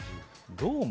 どうも。